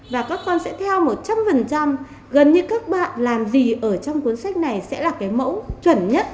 và các con sẽ theo một trăm linh gần như các bạn làm gì ở trong cuốn sách này sẽ là cái mẫu chuẩn nhất